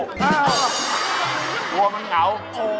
กลัวมันเหงา